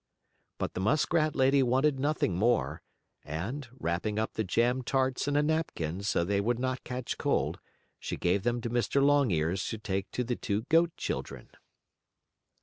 But the muskrat lady wanted nothing more, and, wrapping up the jam tarts in a napkin so they would not catch cold, she gave them to Mr. Longears to take to the two goat children.